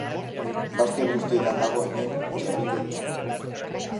Bazter guztietan dago hemen txerrikeria.